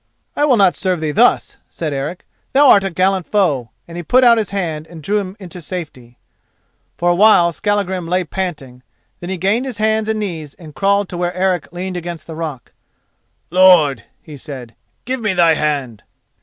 "I will not serve thee thus," said Eric. "Thou art a gallant foe," and he put out his hand and drew him into safety. For a while Skallagrim lay panting, then he gained his hands and knees and crawled to where Eric leaned against the rock. "Lord," he said, "give me thy hand."